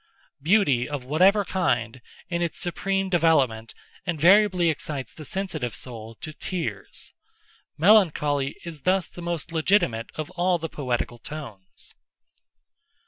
Beauty of whatever kind, in its supreme development, invariably excites the sensitive soul to tears. Melancholy is thus the most legitimate of all the poetical tones.